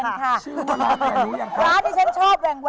ร้านที่ฉันชอบแหว่งอย่างนี้